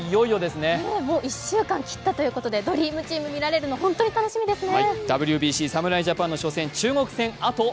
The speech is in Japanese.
もう１週間を切ったということでドリームチーム、見られるのホントに楽しみですね。